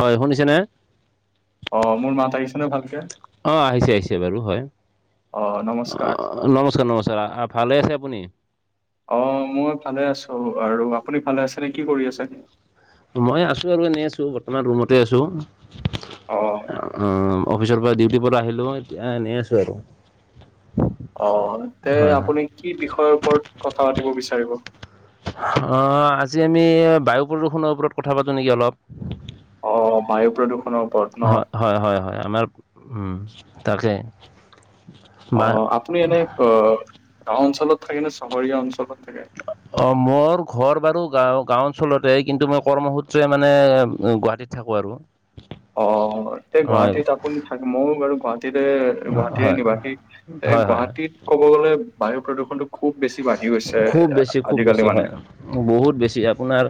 হয় শুনিছেনে? অ মোৰ মাত আহিছে নে ভালকে? অঁ আহিছে আহিছে বাৰু হয়। অ নমস্কাৰ। অ নমস্কাৰ নমস্কাৰ, ভালে আছে আপুনি? অ মই ভালে আছো, আৰু আপুনি ভালে আছে নে কি কৰি আছে? মই আছো আৰু এনেই আছো বৰ্তমান ৰুমতে আছো। অঁ। অঁ অফিচৰ পৰা ডিউটিৰ পৰা আহিলো এতিয়া এনেই আছো আৰু। অ তে হয় হয় আপুনি কি বিষয়ৰ ওপৰত কথা পাতিব বিচাৰিব? অ আজি আমি বায়ু প্ৰদূষণৰ ওপৰত কথা পাতো নেকি অলপ। অ বায়ু প্ৰদূষণৰ ওপৰত ন হয় হয় হয় হয় আমাৰ উম তাকে। অ বা আপুনি এনে অ গাওঁ অঞ্চলত থাকে নে চহৰীয়া অঞ্চলত থাকে? মোৰ ঘৰ বাৰু গাঁও গাঁও অঞ্চলতে, কিন্তু মই কৰ্মসূত্ৰে মানে গুৱাহাটীত থাকোঁ আৰু অঁ, এ হয় গুৱাহাটীত আপুনি থাক মইো বাৰু গুৱাহাটীতে- হয় গুৱাহাটীৰে হয় নিবাসী, এ হয় হয়। গুৱাহাটীত ক'ব গ'লে বায়ু প্ৰদূষণতটো- খুব বেছি বাঢ়ি গৈছে খুব বেছি খুব আজিকালি বেছি হয় মানে- বহুত বেছি আপোনাৰ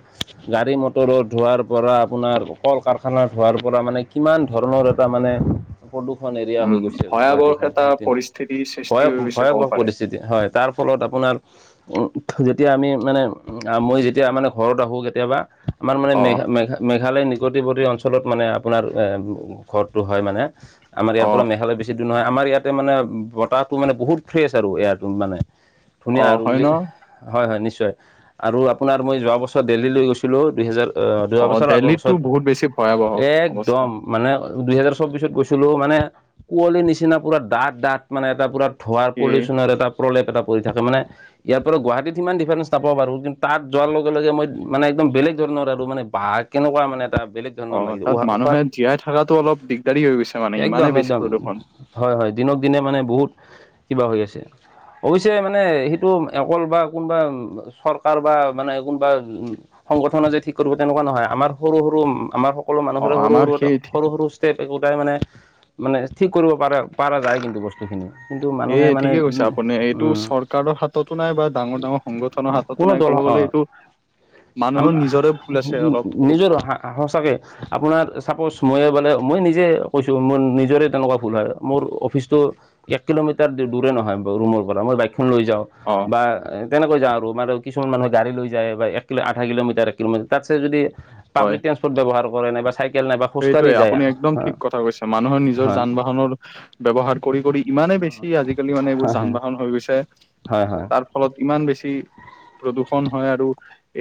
গাড়ী মটৰত ধোৱাৰ পৰা আপোনাৰ কল কাৰখানা ধোৱাৰ পৰা মানে কিমান ধৰণৰ এটা মানে প্ৰদূষণ এৰিয়া উম, হৈ গৈছে ভয়াৱহ গুৱাহাটীখন, এটা পৰিস্থিতিৰ সৃষ্টি ভয় হৈ গৈছে ক'ব ভয়াৱহ পাৰে। পৰিস্থিতি। হয় তাৰ ফলত আপোনাৰ উম যেতিয়া আমি মানে মই যেতিয়া মানে ঘৰত আহো কেতিয়াবা আমাৰ মানে অ', মেঘা মেঘা মেঘালয় নিকটৱৰ্তী অঞ্চলত মানে আপোনাৰ ঘৰটো হয় মানে। আমাৰ ইয়াৰ অ', পৰা মেঘালয় বেছি দূৰ নহয়, আমাৰ ইয়াতে মানে বতাহটো মানে বহুত ফ্ৰেছ আৰু এয়াৰটো মানে। ধুনীয়া অ', আৰু হয় যে ন? হয় হয় নিশ্চয় আৰু আপোনাৰ মই যোৱা বছৰ দেল্হী লৈ গৈছিলোঁ দুহেজাৰ অ যোৱা বছৰ আগৰ দেল্লীতটো বছৰত বহুত বেছি ভয়াৱহ অৱস্থা। একদম- মানে দুইহেজাৰ চৌবিশত গৈছিলো মানে কুঁৱলীৰ নিচিনা পুৰা দাঠ দাঠ মানে এটা পুৰা- ধোৱাৰ এ পলিউশ্যনৰ এটা প্ৰলেপ এটা পৰি থাকে মানে- ইয়াৰ পৰা গুৱাহাটীত সিমান ডিফাৰেঞ্চ নাপাব বাৰু কিন্তু তাত যোৱাৰ লগে লগে মই মানে একদম বেলেগ ধৰণৰ আৰু মানে বাঘ- কেনেকুৱা মানে এটা বেলেগ- ধৰণৰ অঁ লাগিছে তাত উশাহ মানুহে জীয়াই থকাতো অলপ দিগদাৰী হৈ গৈছে মানে একদম ইমানেই বেছি একদম প্ৰদূষণ। হয় হয় দিনক দিনে মানে বহুত কিবা হৈ আছে। অৱশ্যে মানে সেইটো অকল বা কোনোবা চৰকাৰ বা মানে কোনোবা- সংগঠনে যে ঠিক কৰিব তেনেকুৱা নহয় আমাৰ সৰু সৰু আমাৰ সকলো মানুহৰে অ', সৰু আমাৰ সৰুতে সেই সৰু সৰু- একোটাই মানে মানে ঠিক কৰিব পাৰ পৰা যায় কিন্তু বস্তু- সেইখিনিয়ে কিন্তু এ মানুহে মানে। ঠিকে কৈছে আপুনি এইটো উম চৰকাৰৰ হাততো নাই বা ডাঙৰ ডাঙৰ সংগঠনৰ হাততো কোনো নাই দল ক'ব গ'লে অ এইটো। মানুহৰ নিজৰে ভুল আছে অলপ বহুত, সচাকে আপোনাৰ চাপজ মই বোলে মই নিজে কৈছো মোৰ নিজৰে তেনেকুৱা ভুল হয়। মোৰ অফিচটো এক কিলোমিটাৰ দূৰে নহয় ৰুমৰ পৰা মই বাইকখন লৈ যাওঁ। অঁ বা তেনেকৈ যাওঁ আৰু মানে কিছুমান মানুহে গাড়ী লৈ যায় বা এক কিলো আধা কিলোমিটাৰ এক কিলোমিটাৰ তাতছে যদি- পাব্লিক ট্ৰেন্সপৰ্ট ব্যবহাৰ কৰে নাই বা চাইকেল নাইবা - সেইটোৱে আপুনি একদম ঠিক কথা কৈছে মানুহৰ নিজৰ হয় যান বাহনৰ- ব্যৱহাৰ কৰি কৰি ইমানেই বেছি আজিকালি মানে এইবোৰ যান বাহন হৈ গৈছে। হয় হয়। তাৰ ফলত ইমান বেছি। প্ৰদূষণ হয় আৰু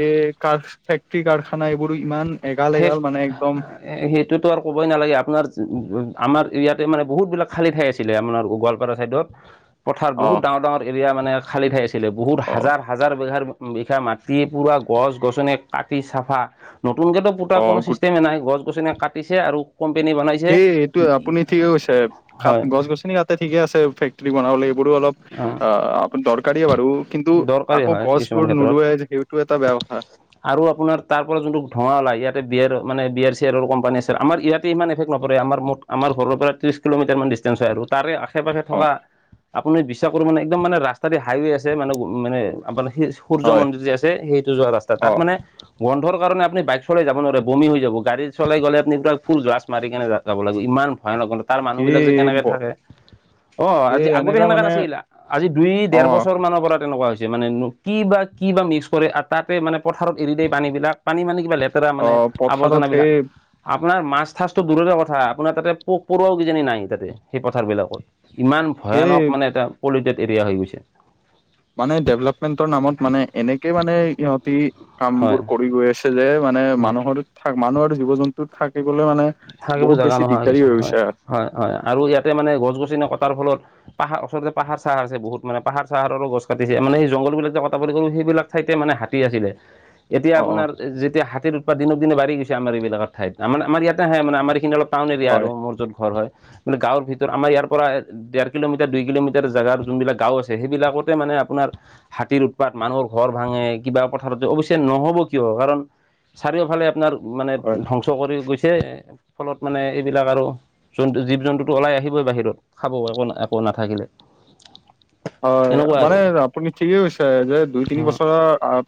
এ কাৰ ফেক্টৰী কাৰখানা এইবোৰো ইমান। এগাল ফেৰ এগাল মানে একদম এ সেইতো ক'বই নালাগে আপোনাৰ আমাৰ এৰিয়াতে মানে বহুত বিলাক খালি থাই আছিলে আমাৰ গোৱালপাৰা চাইদত। [inaudible] পথাৰ বহুত ডাঙৰ ডাঙৰ এৰিয়া মানে খালী থাই আছিলে বহুত অ হাজাৰ হাজাৰ বিঘাৰ। উ বিষা মাটি পুৰা গছ গছনি কাটি চাফা নতুনকেতো। পুতা অ কোনো গো চিষ্টেমে নাই গছ গছনি কাটিছে আৰু কোম্পেনী বনাইছে। সেই এইটো আপুনি ঠিকে কৈছে হয় গছ গছনি তাতে ঠিকে আছে ফেক্টৰী বনাবলৈ এইবোৰো অলপ, অ আহ আপ দৰকাৰীয়ে বাৰু কিন্তু দৰকাৰী আকৌ হয় কিছুমান গছবোৰ ক্ষেত্ৰত নোৰোৱে যে সেইটো এটা বেয়া কথা। আৰু আপোনাৰ তাৰ পৰা যোনটো ধোঁৱাওল ইয়াতে বিয় আৰ মানে বি আৰ চি আৰাৰ কোম্পানী আছে আমাৰ ইয়াতে ইমান এফেক্ট নপৰে আমাৰ ম আমাৰ ঘৰৰ পৰা ত্ৰিশ কিলোমিটাৰ মান ডিষ্টেঞ্চ হয় আৰু তাৰে আশে পাশে অ থকা। আপুনি বিশ্বাস কৰোঁ মানে একদম মানে ৰাস্তাৰ দি হাইৱে আছে মানে মানে আপোনাৰ সেই, সূৰ্য হয় মন্দিৰ যে আছে সেইটো যোৱা ৰাস্তা অ তাত মানে। গন্ধৰ কাৰণে আপুনি বাই চলাই যাব নাৰে বমি হৈ যাব গাড়ী চলাই গ'লে আপুনি ফুল গলাছ মাৰি কেনে যাত, যাব লাগিব ইমান ভয় [unintelligible] তাৰ মানুহ এই বিলাক যে কেনেকে থাকে অ এই আজি আগতে এনেকা সেনেকা মানে নাছিল আজি দুই অ ডেৰ বছৰ, মানৰ পৰা তেনেকুৱা হৈছে মানে কি বা কি বা মিক্স কৰে তাতে মানে পথাৰত এৰি দিয়ে পানী বিলাক পানী মানে কিবা লেপ, অ মানে পথাৰত সেই আৱৰ্জনাবিলাক। আপোনাৰ মাছ ঠাচটো দূৰৰে কথা আপোনাৰ তাতে পোক পৰুৱও কিজানি নাই তাতে সেই পথাৰবিলাকত। ইমান সেই ভয়ানক মানে এটা পলিউটেড এৰিয়া হৈ গৈছে। মানে ডেভেলপমেন্টৰ নামত মানে এনেকে মানে সিহঁতি কাম হয় বোৰ কৰি গৈ আছে। যে মানে অ মানুহৰ থ মানুহ আৰু জীৱ জন্তুত থাকিবলৈ মানে। থাকিব বহুত জাগা বেছি নোহোৱা দিগদাৰী হৈ হয়। গৈছে, হয় হয় আৰু ইয়াতে মানে গছ গছনি কটাৰ ফলত। পাহাৰ আচলতে পাহাৰ চাহাৰ আ বহুত মানে পাহাৰ চাহাৰৰো গছ কাটিছে মানেই জংলাক যে কটা বুলি কলো সেইবিলাক। ঠাইতে মানে হাতী আছিলে। [inaudible] এতিয়া আপোনাৰতিয়া হাতীৰ উপাত দিনক দিনে বাঢ়ি গৈছেমাৰ এইবিলাক ত আমাৰ আমাৰ ইয়াতে আহে মানে আমাৰ এখিনি অলপ, টাউন এৰিয়া আৰু হয় মোৰ য'ত ঘৰ হয় মানে গাঁৱৰ ভিতৰত আমাৰ ইয়াৰ পৰা, ডেৰ কিলোমিটাৰ দুই কিলোমিটাৰ জেগাৰ যোনবিলাক গাঁও আছে সেইবিলাকতে মানে আপোনাৰ। হাতীৰ উৎপাত মানুহৰ ঘৰ ভাঙে কিবা পথাৰত অৱশ্যে নহব কিয় কাৰণ। চাৰিওফালে আপোনাৰ মানে হয় ধ্বংস কৰি গৈছে ফলত মানে এইবিলাক আৰু জন্তু জীৱ জন্তুটো ওলাই আহিবই বাহিৰত খাব একো একো নাথাকিলে। [inaudible] হয় এনেকুৱা মানে আৰু আপুনি ঠিকেই হৈছে যে দুই তিনি বছৰ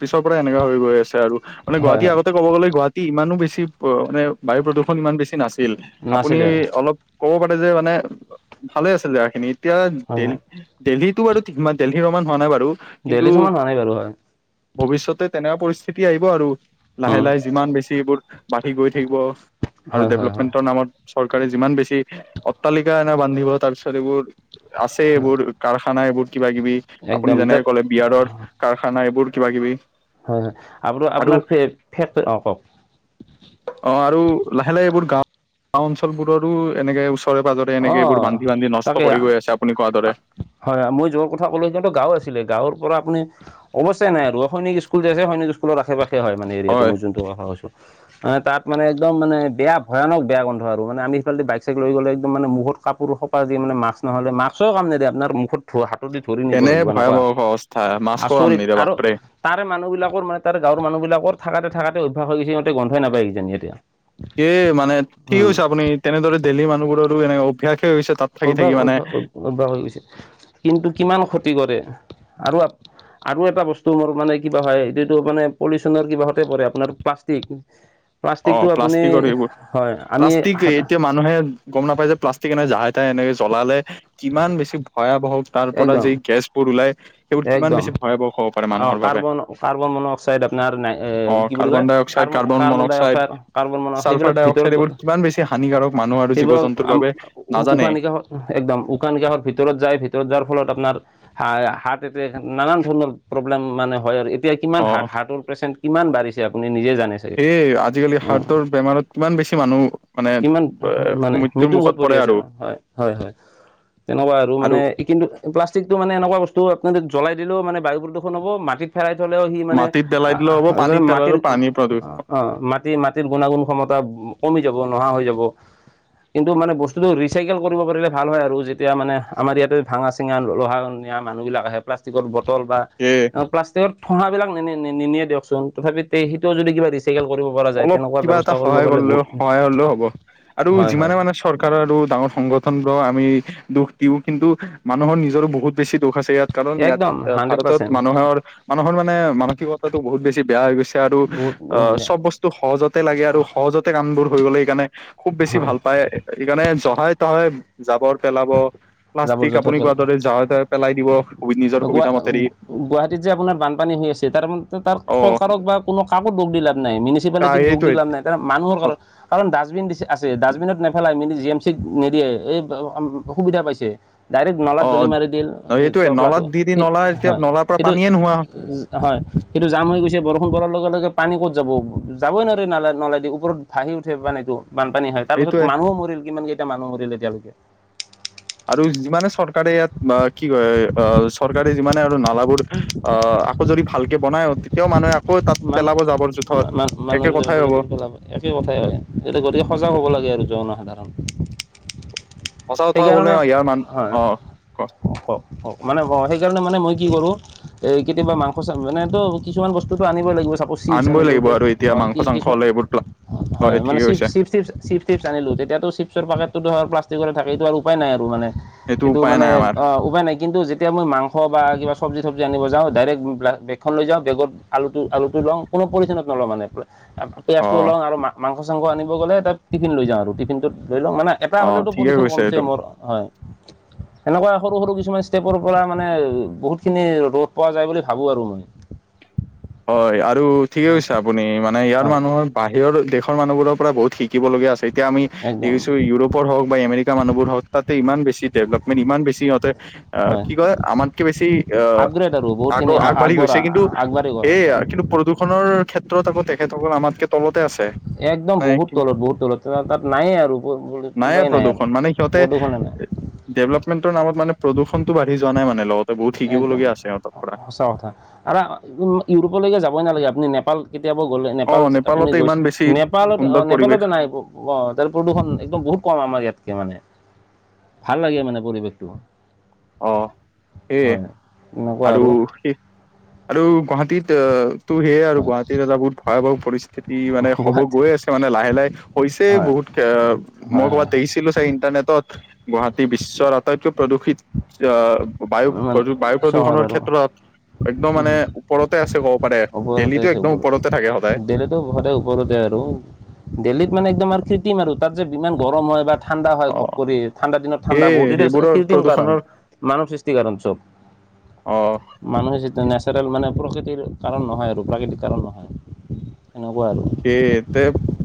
পিছৰ পৰা এনেকা হৈ গৈ আছে আৰু মানে হয় গুৱাহাটী হয় আগতে। ক'ব গলে গুৱাহাটী ইমানো বেছি মানে বায়ু প্ৰদূষণ ইমান বেছি নাছিল আপুনি নাছিলে অলপ, ক'ব পাৰে যে মানে ভালে আছে জেগাখিনি এতিয়া হয় দে হয় দেল্লীত, [unintelligible] দেলহি সমান হোৱা নাই বাৰু। দেলহি কিন্তু চমান হোৱা নাই বাৰু হয়। ভৱিষ্যতে তেনেকুৱা পৰিস্থিতি আহিব আৰু লাহে- উম লাহে যিমান বেছি এইবোৰ বাঢ়ি গৈ থাকিব। আৰু হয় হয় হয় দেভলপমেন্টৰ নামত চৰকাৰে যিমান বেছি অট্টালিকা এনেও বান্ধিব তাৰ পিছত এইবোৰ আছে হয় এইবোৰ কাৰখানা এইবোৰ কিবা- কিবি আপুনি একদম তাত যেনেকে ক'লে বিয়াৰৰ কাৰখানা এইবোৰ কিবা কিবি। হয় হয় আপ আৰু আপোনাৰ ফেক অ কওক। অ আৰু লাহে লাহে এইবোৰ গাও গাও অঞ্চল বোৰৰো এনেকে ওচৰে পাজৰে। এনেকে এইবোৰ অঁ বান্ধি বান্ধি নষ্ট তাকে কৰি গৈ আছে আপুনি কোৱা দৰে। হয় হয় মই যোৰ কথা ক'লো যে গাঁও আছিলে গাঁৱৰ পৰা আপুনি। অৱশ্যে নাই আৰু সৈনিক স্কুল যে আছে সৈনিক স্কুলৰ আশে পাশে হয় মানে এৰিয়াাটো হয় মই যোনটো কথা কৈছোঁ। অ, তাত মানে একদম মানে বেয়া ভয়ানক বেয়া গন্ধ আৰু আমি সিফালদি বাইক চাইক লৈ গ'লে একদম মানে মুখত কাপোৰ সপা দি মানে মাক্স নহ'লে মাক্সও কাম নিদিয়ে আপনাৰ মুখত ধোৱা হাতদি ধৰি নিব এনে লাগিব এনেকুৱা ভয়াৱহ অৱস্থা মাছ খোৱা আচৰিত আমনিৰে আৰু বাপৰে তাৰে মানুহবিলাকৰ মানে তাৰ গাঁৱৰ মানুহবিলাকৰ থাকাতে- থাকাতে অভ্যাস হৈ গেছি সিহঁতে গন্ধই নাপায় কিজানি এতিয়া। এ মানে ঠিকে উম, কৈছে আপুনি তেনেদৰে দেলহি মানুহবোৰৰো এনে অভ্যাসে হৈ গৈছে তাত। থাকি অভ্যাস থাকি মানে -অভ্যাস-অভ -অভ্যাস হৈ গৈছে কিন্তু কিমান ক্ষতি কৰে আৰু আৰু এটা বস্তু মোৰ মানে কিবা হয় এইটোতো মানে পলিউচনৰ কিবা হতে পৰে আপোনাৰ প্লাষ্টিক। অ, প্লাষ্টিকটো আপুনি প্লাষ্টিকৰ এইবোৰ হয় আমি প্লাষ্টিক এতিয়া মান মানুহে গম নাপায় যে প্লাষ্টিক এনে জাহাই- তাহাই এনেকে জ্বলালে কিমান বেছি ভয়াৱহ তাৰ পৰা একদম যে এই গেছবোৰ ওলাই সেইবোৰ কিমান একদম বেছি ভয়াৱহ হ'ব পাৰে অ মানুহৰ বাব কাৰ্বন- কাৰ্বন মন অক্সাইড আপনাৰ এ অ কি বুলি কয় carbon dioxide carbon -carbon ডাই মনক্সাইড অক্সাইড কাৰ্বন মন অক ছালফাৰ সেইবিলাক ডাই ভিতৰত অক্সাইড এইবোৰ গলে কিমান বেছি হানিকাৰক মানুহ [unintelligible] আৰু সেই জীৱ বিলাক জন্তুৰ আমা বাবে নাজানে উশাহ- নিশাহত অহ, একদম উশাহ নিশাহৰ ভিতৰত যায় ভিতৰত যোৱাৰ ফলত আপনাৰ হা- হাৰ্ট এটেক নানান ধৰণৰ প্ৰব্লেম মানে হয় আৰু এতিয়া কিমান অ হাৰ হাৰ্টৰ পেচেণ্ট কিমান বাঢ়িছে আপুনি নিজে জানে চাগে এ আজিকালি অঁ হাৰ্টৰ বেমাৰত কিমান বেছি মানুহ মানে [unintelligible] মৃত্যু মুখ পৰে পৰি আছে আৰু অ, হয় -হয় -হয়। তেনেকুৱা আৰু মানে কিন্তু প্লাষ্টিকটো মানে এনেকুৱা বস্তু আপনি যদি জ্বলাই দিলেও মানে বায়ু প্ৰদূষণ হব মাটিত ফেৰাই থলেও সি মানে মাটিত পেলাই দিলেও হ'ব পানীত [unintelligible] মাটিৰ পেলালেও পানী প্ৰদূষ অ, মাটি- মাটিৰ গুণাগুণ ক্ষমতা কমি যাব নোহা হৈ যাব। কিন্তু মানে বস্তুতটো ৰিচাইকেল কৰিব পাৰিলে ভাল হয় আৰু যে এতিয়া মানে আমাৰ ইয়াতে ভাঙা চিঙা লোহা নিয়া মানুহবিলাক আহে প্লাষ্টিকৰ বটল বা এ অ, প্লাষ্টিকৰ ঠোহা বিলাক নে -নে নিনিয়ে দিয়কচোন তথাপিও তে সেইটোও যদি কিবা ৰিচাই প্ৰেক্টিকেল কৰিব পা অলপ কিবা এটা সহায় কৰলেও সহায় হলেও হ'ব আৰু হয় হয় যিমানে মানে চৰকাৰ আৰু ডাঙৰ সংগঠন বোৰক আমি দুখ দিওঁ কিন্তু মানুহৰ নিজৰো বহুত বেছি দুখ আছে ইয়াত। কাৰণ ইয়াত একদম হাণ্ড্ৰেড ভাৰতত পাৰ্চেণ্ট মানুহৰ মানুহৰ মানে মানসিকতাটো বহুত বেছি বেয়া হৈ গৈছে আৰু বহুত অ, বহুত বেয়া চব বচ স্তু সহজতে লাগে আৰু সহজতে কাম বোৰ হৈ গ'লে সকাৰণে খুব বেছি হয় ভাল পায়। এইকাৰণে জহাই তহাই জাবৰ পেলাব জাবৰ প্লাষ্টিক জোথৰ আপুনি কোৱাৰ পেলাব দৰে জহাই তহাই পেলাই দিবহ গুৱা -গুৱাহাটীত যে আপোনাৰ বানপানী হৈ আছে তাৰ [unintelligible] তাত অ সৰকাৰক বা কোনো কাকো দুখ দি লাভ নাই মিউনিচি পালিটিক দুখ দি সেইটোৱে লাভ নাই কাৰণ মানুহৰ কাৰো কাৰণ ডাষ্টবিন দিছে আছে ডাষ্টবিনত নেপেলাই মিলি জি এম চিত নিদিয়ে এই [unintelligible] সুবিধা পাইছে। ডাইৰেক্ট নলাত অ দলি মাৰি দিল ন এইটোৱে নলাত তপলাটো দি দি সি নলা এতিয়া হয় নলাৰ পৰা সেইটো পানীয়ে নোহোৱা [unintelligible] হয় সেইটো জাম হৈ গৈছে বৰষুণ পৰাৰ লগে- লগে পানী ক'ত যাব যাবই নোৱাৰে নালা- নলাই দি ওপৰত। ভাঁহি উঠে পানীটো বানপানী হয় তাৰ সেইটোৱে পাছত মানুহ মৰিল কিমান কেইটা মানুহ মৰিল এতিয়ালৈকে। আৰু যিমানে চৰকাৰে ইয়াত [unintelligible] চৰকাৰে যিমানে আৰু নালাবোৰ অ, আকৌ যদি ভালকে বনাই তেতিয়াও মানুহে আকৌ তাত মানুহ পেলাব জাবৰ-জোথৰ মান মানুহ একে কথাই হ'ব। বুজাটো পেলাব একে কথাই হয় এইটো গতিকে সজাগ হ'ব লাগে আৰু যৌনসাধাৰণ। সঁচা কথা কলে অ ইয়াৰ মান অ। ক কওক কওক মানে সেইকাৰণে মানে মই কি কৰো। এ কেতিয়াবা মাংস চাংস মানে টো কিছুমান বস্তুতটো আনিবই লাগিব। চাপচ চিপছ আনিবই আনিলোঁ লাগিব আৰু এতিয়া মাংস চাংস হলে এইবোৰ [unintelligible] হয় মানে ঠিকে চিপ- কৈছে চিপ চিপচ -চিপচ - টিপছ আনিলো তেতিয়াতো চিপছৰ পেকেটতো ধৰ প্লাষ্টিকৰে থাকে এইটো আৰু উপায় নাই আৰু মানে। সেইটো এটো উপায় মানে নাই আমাৰ অ, উপায় নাই কিন্তু যেতিয়া মই মাংস বা কিবা চব্জি চব্জি আন যাওঁ ডাৰেক্ট বেগখন লৈ যাওঁ বেগত। আলুটো আলুটো লওঁ কোনো পৰিচ্ছনত নলওঁ মানে। অ পিয়াজটো লওঁ আৰু মাংস চাংস আনিব গ'লে এটা টিফিন লৈ যাও আৰু টিফিনটোত ল মান এটা অ হলে পি। ঠিকে কৈছে এইটো হয়। সেনেকুৱা সৰু সৰু কিছুমান ষ্টেপৰ পৰা মানে বহুত খিনি ৰদ পোৱা যায় বুলি ভাবো আৰু মই। হয় আৰু ঠিকে কৈছে আপুনি মানে ইয়াৰ হয় মানুহৰ। বাহিৰৰ দেশৰ মানুহবোৰৰ পৰা বহুত শিকিবলগীয়া আছে। এতিয়া আমি একদম দেখছো ইউৰোপৰ হক আমেৰিকা মানুহবোৰ হওক তাতে ইমান বেছি ডেভলপমেণ্ট ইমানবেছি সিহঁতে। আহ হয়। কি কয় আমাতকে বেছি আহ আপগ্ৰেড আৰু আগ বহুতখিনি আগবাঢ়ি গৈছে আগবঢ়া কিন্তু। আগবাঢ়ি গ'ল সেয়ে হয় কিন্তু প্ৰদূষণৰ ক্ষেত্ৰত আকৌ তেখেতসকল আমাতকে তলতে আছে। একদম মানে বহুত তলত বহুত তলত তাত নায়ে আৰু কিবাই নাই আৰু প্ৰদুষন নাই। ডেভেলপমেণ্টৰ নামত মানে প্ৰদূষণটো বাঢ়ি যোৱা নাই মানে লগত। একদম সঁচা কথা আৰু ইউৰোপলৈকে যাবই নালাগে আপুনি নেপাল। কেতিয়াবা গ'লে অ নেপাল আপুনি নেপালতে গৈছে ইমান বেছি নেপালত অ সুন্দৰ পৰিৱেশ নেপালতে নাই। অ তাৰে প্ৰদূষণ একদম বহুত কম আমাৰ ইয়াতকে মানে ভাল লাগে মানে পৰিৱেশটো। অ সেয়ে হয় আৰু স আৰু গুৱাহাটীত। টো সেয়ে আৰু হয় গুৱাহাটীত এটা বহুত ভয়াৱহ পৰিস্থিতি মানে হব গুৱাহাটী গৈ আছে। মানে লাহে লাহে হৈছে হয় হয় বহুত মই হয় ক'ৰবাত হয় দেখিছিলো চাই ইন্টাৰনেটত। গুৱাহাটী বিশ্বৰ আটাইতকৈ প্ৰদূষিত আহ। বায়ু মানে প্ৰ বায়ু চহৰ প্ৰদূষণৰ আৰু ক্ষেত্ৰত। একদম মানে ওপৰতে আছে ক'ব পাৰে দেলহিটো একদম ওপৰতে থাকে সদায়। সতে ওপৰতে আৰু দেল্লীত মানে একদম আৰু কৃত্ৰিম আৰু তাত যে ইমান গৰম হয় বা। ঠাণ্ডা হয় অ ঘপ কৰি ঠাণ্ডা দিনত ঠাণ্ডা সেয়ে বহুত এটো সেইবোৰৰ কৃত্ৰিম কাৰণ প্ৰদূষণৰ মানুহ সৃষ্টি। অঞ্চল। অ মানুহে যেতিয়া নেচাৰেল মানে প্ৰকৃতিৰ কাৰণ নহয় আৰু প্ৰাকৃতিক কাৰণ নহয় সেনেকুৱা আৰু। এ তে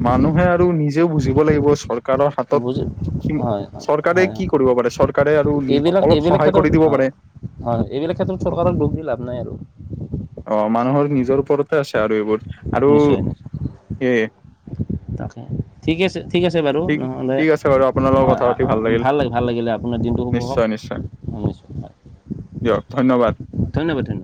মানুহে আৰু নিজেও বুজিব লাগিব চৰকাৰ। চৰকাৰৰ হাতত বুজি স হয় হয় চৰকাৰে হয় কি হয় কৰিব পাৰে চৰকাৰে আৰু এইবিলাক অলপ এইবিলাক সহায় ক্ষেত্ৰত কৰি দিব অঁ পাৰে। হয় এইবিলাক ক্ষেত্ৰত চৰকাৰৰ দুখ দি লাভ নাই আৰু। অ মানুহৰ নিজৰ ওপৰতে আছে আৰু এইবোৰ আৰু নিশ্চয় নিশ্চয় এ। তাকে ঠিক আছে ঠিক আছে বাৰু ঠিক নহ'লে ঠিক আছে বাৰু আপোনাৰ লগত কথা পাতি অ লাগিল ভাল লাগে ভাল লাগিলে আপোনাৰ দিনটো শুভ হওক। নিশ্চয় নিশ্চয় নিশ্চয় দিয়ক ধন্যবাদ। ধন্যবাদ ধন্যবাদ।